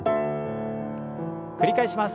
繰り返します。